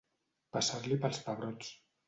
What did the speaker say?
Passar-li pels pebrots.